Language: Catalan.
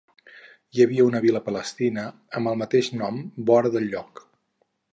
Hi havia una vila palestina amb el mateix nom vora del lloc.